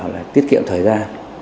và tiết kiệm về